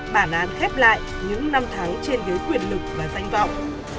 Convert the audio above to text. bản án khép lại những năm tháng trên ghế quyền lực và danh vọng